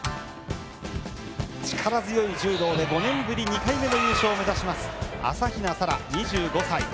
力強い柔道で５年ぶり２回目の優勝を目指す朝比奈沙羅、２５歳。